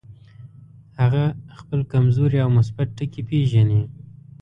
هغه خپل کمزوري او مثبت ټکي پېژني.